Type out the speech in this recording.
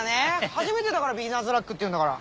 初めてだからビギナーズラックっていうんだから。